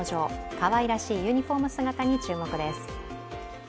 かわいらしいユニフォーム姿に注目です。